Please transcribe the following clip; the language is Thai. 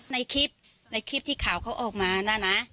ในคลิปในคลิปที่ข่าวเขาออกมานะนะ